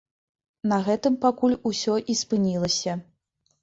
На гэтым пакуль усё і спынілася.